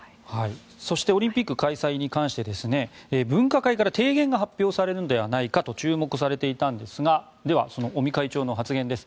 そしてオリンピック開催に関して分科会から提言が発表されるのではと注目されていたんですがその尾身会長の発言です。